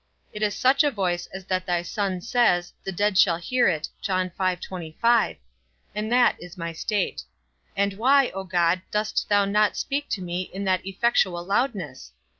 It is such a voice as that thy Son says, the dead shall hear it; and that is my state. And why, O God, dost thou not speak to me, in that effectual loudness?